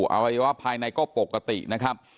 เอาไว้ว่าภายในก็ปกตินะครับ